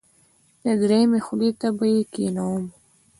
دریمې خولې ته به یې کېنوم.